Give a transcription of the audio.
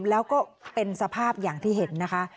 แล้วก็เป็นสภาพอย่างที่เห็นนะคะ